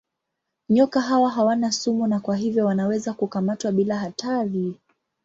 Nyoka hawa hawana sumu na kwa hivyo wanaweza kukamatwa bila hatari.